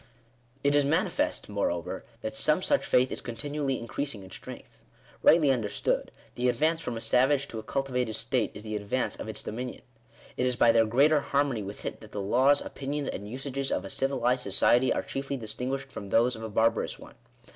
It is manifest, moreover, that some such faith is continually increasing in strength. Rightly understood, the advance from a savage to a cultivated state is the advance of its dominion. It is by their greater harmony with it that the laws, opinions, and usages of a civilized society are chiefly distinguished from those of a barbarous one.